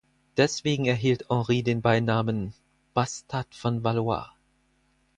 Deswegen erhielt Henri den Beinamen "Bastard von Valois".